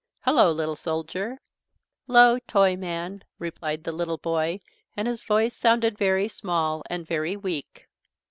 "Hello, little soldier." "'Llo, Toyman," replied the little boy, and his voice sounded very small and very weak.